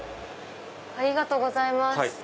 ありがとうございます。